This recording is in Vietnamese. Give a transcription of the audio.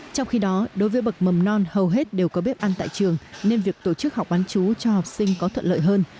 trong khi đó đối với bậc mầm non hầu hết đều có bếp ăn tại trường nên việc tổ chức học bán chú cho học sinh có thuận lợi hơn